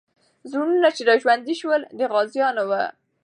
زړونه چې راژوندي سول، د غازیانو وو.